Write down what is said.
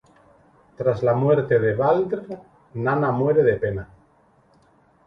Tras la muerte de Baldr, Nanna muere de pena.